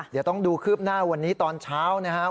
เดี๋ยวต้องดูคืบหน้าวันนี้ตอนเช้านะครับ